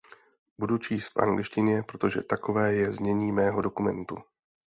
Budu číst v angličtině, protože takové je znění mého dokumentu.